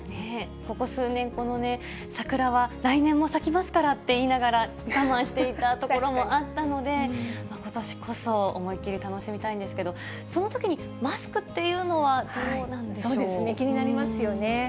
ここ数年、このね、桜は来年も咲きますからって言いながら、我慢していたところもあったので、ことしこそ、思いっ切り楽しみたいんですけど、そのときにマスクっていうのはどそうですね、気になりますよね。